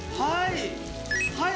はい！